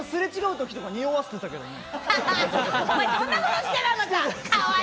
すれ違うときとか、におわせてたけどね。